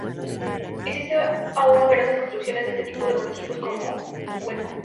Existen aún numerosas construcciones de este tipo en municipios como Guecho.